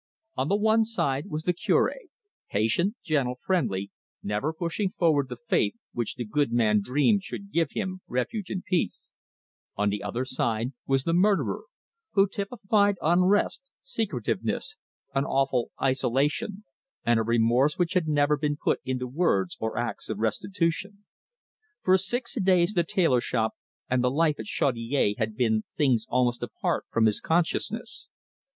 On the one side was the Cure, patient, gentle, friendly, never pushing forward the Faith which the good man dreamed should give him refuge and peace; on the other side was the murderer, who typified unrest, secretiveness, an awful isolation, and a remorse which had never been put into words or acts of restitution. For six days the tailor shop and the life at Chaudiere had been things almost apart from his consciousness.